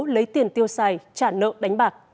lấy tiền tiêu xài trả nợ đánh bạc